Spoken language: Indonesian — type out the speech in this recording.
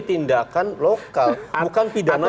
tindakan lokal bukan pidana